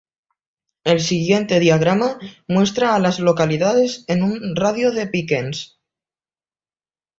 El siguiente diagrama muestra a las localidades en un radio de de Pickens.